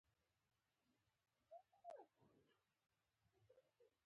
د والدینو رضایت بری راولي.